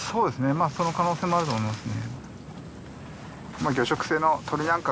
まあその可能性もあると思いますね。